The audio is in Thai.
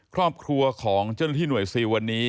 ครอบครัวของเจ้าหน้าที่หน่วยซิลวันนี้